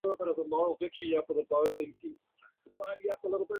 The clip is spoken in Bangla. হাতে নগদ টাকা নেই, একজনকে দিতে হবে।